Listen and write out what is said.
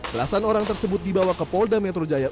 belasan orang tersebut dibawa ke polda metro jaya